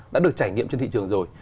đã được trải nghiệm trên thị trường rồi